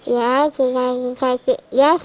ya sudah masih sakit